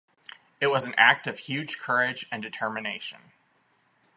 It was an act of huge courage and determination.